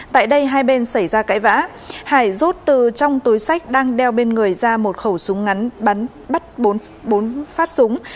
tại đây hai bên xảy ra cãi vã hải rút từ trong túi sách đang đeo bên người ra một khẩu súng ngắn bắt bốn phát súng